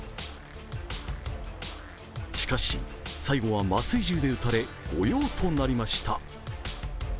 しかし最後は麻酔銃で撃たれ御用となりました。